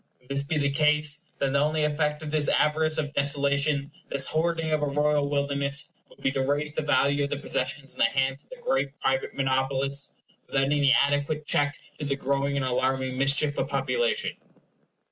If this be the case, then the only effect of this avarice of desolation, this hoarding of a royal wilderness, would be to raise the value of the possessions in the hands of the great private monopolists without any adequate cheek to the growing and alarming mischief of population.